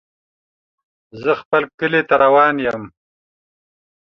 زه خپل کلي ته روان يم.